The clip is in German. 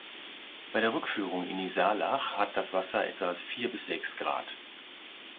Bei der Rückführung in die Saalach hat das Wasser etwa vier bis sechs Grad.